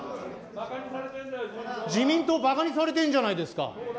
自民党ばかにされてるじゃないですか。